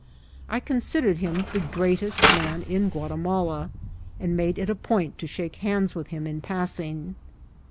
I con« sidered him the greatest man in Ouatimala, and made it a point to shake hands with him in passing.